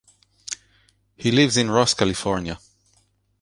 He lives in Ross, California.